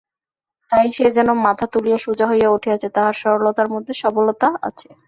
তাই সে যেন মাথা তুলিয়া সোজা হইয়া উঠিয়াছে, তাহার সরলতার মধ্যে সবলতা আছে।